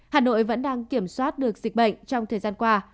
hà nội vẫn đang kiểm soát được dịch bệnh trong thời gian qua